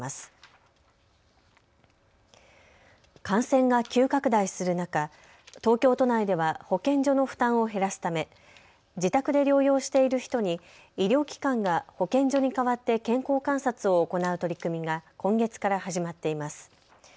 感染が急拡大する中、東京都内では保健所の負担を減らすため自宅で療養している人に医療機関が保健所に代わって健康観察を行う取り組みが今月から始まっています。